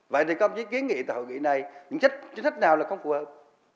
vậy thì có những ý kiến nghị tại hội nghị này những chính sách nào là không phù hợp